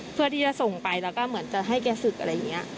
เพื่อที่จะส่งไปแล้วก็เหมือนจะให้แกศึกอะไรอย่างนี้